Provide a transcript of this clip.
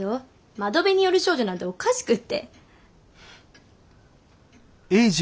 「窓辺に倚る少女」なんておかしくって。